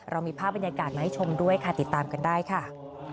เรามีภาพบรรยากาศมาให้ชมด้วยค่ะติดตามกันได้ค่ะ